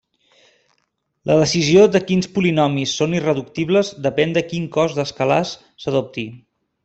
La decisió de quins polinomis són irreductibles depèn de quin cos d'escalars s'adopti.